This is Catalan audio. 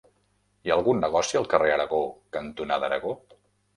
Hi ha algun negoci al carrer Aragó cantonada Aragó?